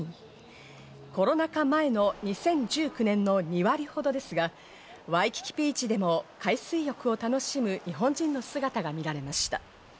コロナ禍前の２０１９年の２割ほどですが、ワイキキビーチでも海水浴を楽しむ日本人の姿が見られました。